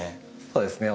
そうですね